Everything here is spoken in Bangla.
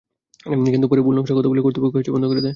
কিন্তু পরে ভুল নকশার কথা বলে কর্তৃপক্ষ কাজটি বন্ধ করে দেয়।